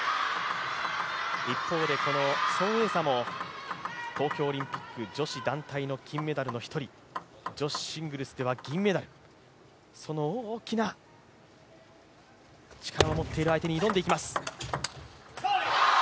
一方で、この孫エイ莎も東京オリンピック女子団体の金メダルの１人、女子シングルスでは銀メダル、その大きな力を持っている相手に挑んでいきます。